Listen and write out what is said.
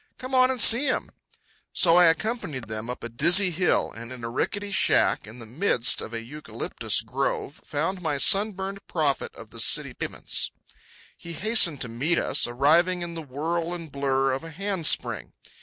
Come on and see him." So I accompanied them up a dizzy hill, and in a rickety shack in the midst of a eucalyptus grove found my sunburned prophet of the city pavements. He hastened to meet us, arriving in the whirl and blur of a handspring.